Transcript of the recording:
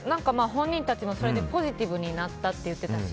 本人たちもそれでポジティブになったって言ってたし